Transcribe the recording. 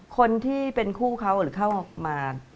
คนที่เป็นคู่เขาหรือเข้ามา